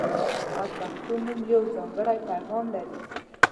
• هر پښتو نوم یو ځانګړی پیغام لري.